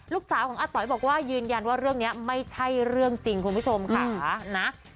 ลูกสาวของอาต๋อยบอกว่ายืนยันว่าเรื่องนี้ไม่ใช่เรื่องจริงคุณผู้ชมค่ะนะ